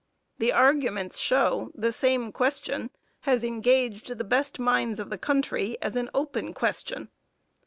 The arguments show the same question has engaged the best minds of the country as an open question.